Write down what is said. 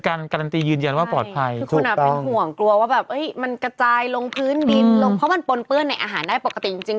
เพราะมันปนเปื้อนในอาหารได้ปกติจริง